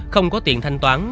không có tiền thanh toán